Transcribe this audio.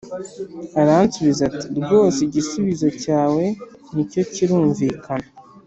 aransubiza ati: "rwose igisubizo cyawe ni cyo kirumvikana.